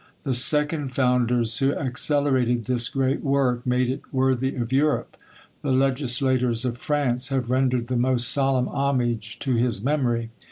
The second founders, who accelerated this great work, made it worthy of Europe. The legislators of France have rendered the most solemn homage to his memory.